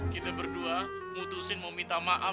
kita berdua mutusin meminta maaf